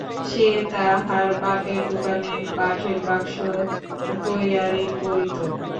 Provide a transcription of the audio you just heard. সে তাহার বাপের দোকানে কাঠের বাক্স তৈয়ারি করিত।